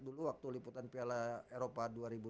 dulu waktu liputan piala eropa dua ribu delapan